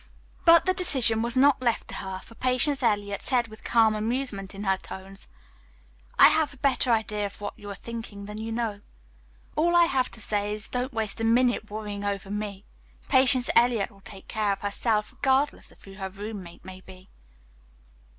But the decision was not left to her, for Patience Eliot said with calm amusement in her tones: "I have a better idea of what you are thinking than you know. All I have to say is, don't waste a minute worrying over me. Patience Eliot will take care of herself regardless of who her roommate may be."